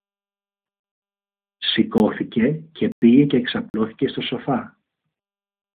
Σηκώθηκε και πήγε και ξαπλώθηκε στο σοφά.